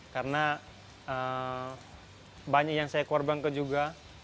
karena banyak yang saya korbankan juga